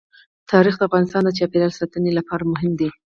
تاریخ د افغانستان د چاپیریال ساتنې لپاره مهم دي.